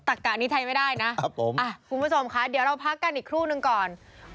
ตักตะนิทัยไม่ได้นะคุณผู้ชมคะเดี๋ยวเราพักกันอีกครู่หนึ่งก่อนครับผม